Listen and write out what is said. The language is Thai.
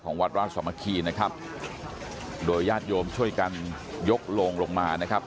วัดราชสมัคคีนะครับโดยญาติโยมช่วยกันยกโลงลงมานะครับ